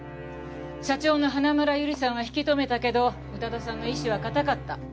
社長の花村友梨さんは引き留めたけど宇多田さんの意志は固かった。